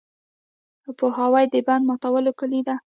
پوهاوی د بند ماتولو کلي ده.